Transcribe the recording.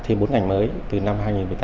thêm bốn ngành mới từ năm hai nghìn một mươi tám